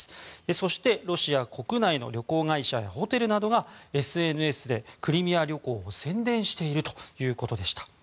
そして、ロシア国内の旅行会社やホテルなどがＳＮＳでクリミア旅行を宣伝しているということでした。